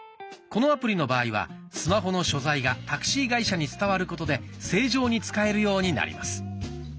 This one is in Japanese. このアプリの場合はスマホの所在がタクシー会社に伝わることで正常に使えるようになります。